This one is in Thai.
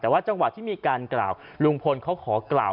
แต่ว่าจังหวัดที่มีการกล่าว